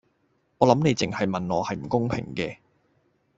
我諗淨係問我係唔公平嘅